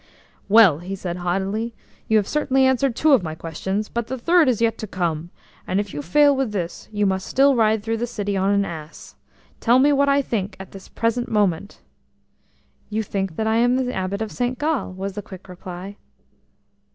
"Well," he said haughtily "you have certainly answered two of my questions, but the third is yet to come, and if you fail with this, you must still ride through the city on an ass. Tell me what I think at this present moment!" "You think that I am the Abbot of St Gall," was the quick reply.